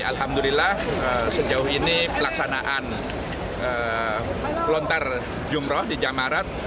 alhamdulillah sejauh ini pelaksanaan lontar jumroh di jamarat